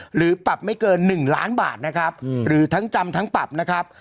หรือปรับไม่เกิน๑ล้านบาทนะครับหรือทั้งจำทั้งปรับนะครับ